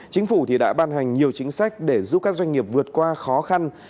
chính phủ đã ban hành nhiều chính sách để giúp các doanh nghiệp vượt qua khó khăn